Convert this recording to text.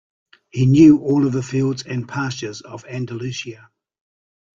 He knew all the fields and pastures of Andalusia.